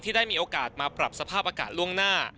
ได้มีโอกาสมาปรับสภาพอากาศล่วงหน้า